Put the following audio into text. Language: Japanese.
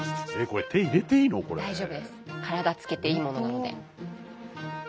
体つけていいものなので。